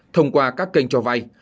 thông qua các kênh cho vay